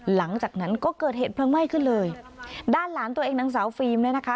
หลังจากนั้นก็เกิดเหตุเพลิงไหม้ขึ้นเลยด้านหลานตัวเองนางสาวฟิล์มเนี่ยนะคะ